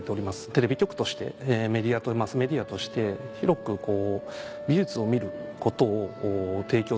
テレビ局としてマスメディアとして広く美術を見ることを提供する場所